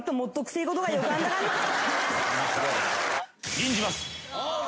「吟じます」